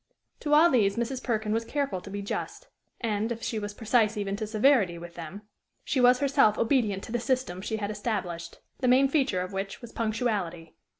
To all these Mrs. Perkin was careful to be just; and, if she was precise even to severity with them, she was herself obedient to the system she had established the main feature of which was punctuality.